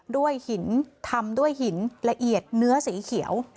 ด้วยหินทำด้วยหินละเอียดเนื้อสีเขียว